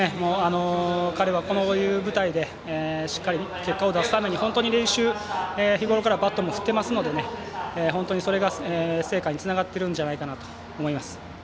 彼はこういう舞台でしっかり結果を出すために本当に練習、日ごろからバットも振ってますので、本当にそれが成果につながってるんじゃないかと思います。